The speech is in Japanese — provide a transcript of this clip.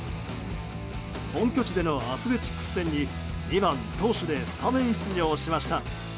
本拠地でのアスレチックス戦に２番投手でスタメン出場しました。